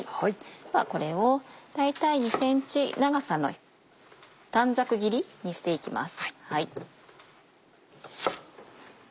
ではこれを大体２ｃｍ長さの短冊切りにしていきます。